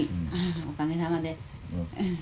おかげさまで。